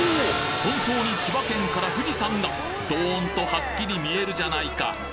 本当に千葉県から富士山がドーンとハッキリ見えるじゃないか